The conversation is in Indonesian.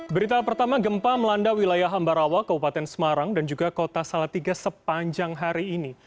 berita pertama gempa melanda wilayah hambarawa kabupaten semarang dan juga kota salatiga sepanjang hari ini